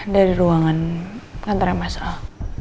dari ruangan antara masalah